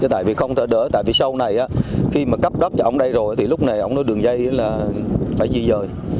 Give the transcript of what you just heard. tại vì sau này khi cấp đất cho ông đây rồi thì lúc này ông nói đường dây là phải di dời